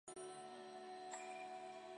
前二项之未遂犯罚之。